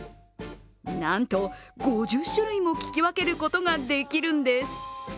なんと５０種類も聞き分けることができるんです。